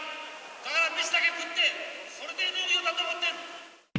だから飯だけ食って、それで農業だと思ってる。